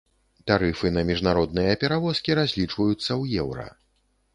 Тарыфы на міжнародныя перавозкі разлічваюцца ў еўра.